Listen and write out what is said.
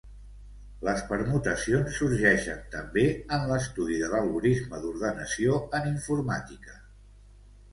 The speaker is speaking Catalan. Les permutacions sorgeixen, també, en l'estudi de l'algorisme d'ordenació en informàtica.